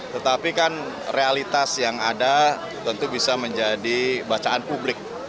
tetapi kan realitas yang ada tentu bisa menjadi bacaan publik